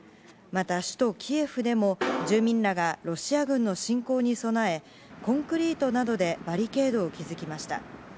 また首都キエフでも、住民らがロシア軍の侵攻に備えコンクリートなどでバリケードを築きました。